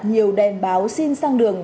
nhiều đem báo xin sang đường